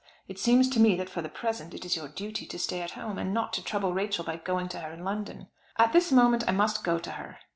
It seems to me that for the present it is your duty to stay at home, and not to trouble Rachel by going to her in London." "At this moment I must go to her."